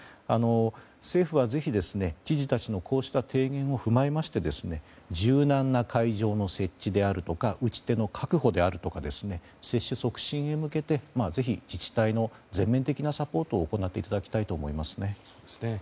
政府は、ぜひ知事たちのこうした提言を踏まえまして柔軟な会場の設置であるとか打ち手の確保であるとか接種促進に向けてぜひ、自治体の全面的なサポートを行っていただきたいと思います。